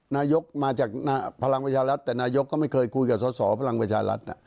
นายกมาจากพลังประชารัฐแต่นายกก็ไม่เคยคุยกับสอสอพลังประชารัฐ